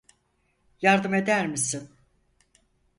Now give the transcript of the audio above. Yardım eder misin?